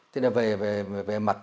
về mặt kinh tế thương mại đầu tư